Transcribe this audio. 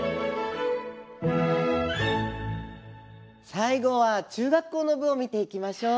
最後は中学校の部を見ていきましょう。